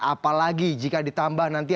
apalagi jika ditambah nanti